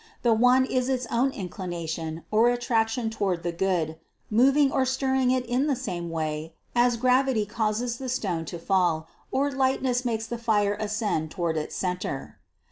The one is its own inclination or attraction to ward the good, moving or stirring it in the same way as gravity causes the stone to fall or lightness makes the fire ascend toward its centre.